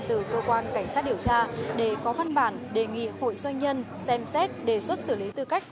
từ cơ quan cảnh sát điều tra để có văn bản đề nghị hội doanh nhân xem xét đề xuất xử lý tư cách